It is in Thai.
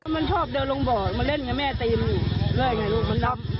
มันชอบเดินลงบ่อมันเล่นกับแม่เตรียมด้วยอย่างไรลูก